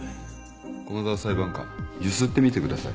駒沢裁判官揺すってみてください。